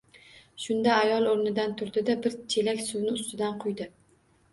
Shunda ayol o‘rnidan turdi-da, bir chelak suvni ustidan quydi.